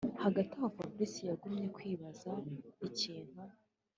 hagati aho fabric yagumye kwibaza ikintu